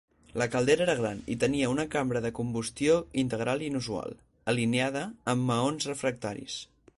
La caldera era gran i tenia una cambra de combustió integral inusual, alineada amb maons refractaris.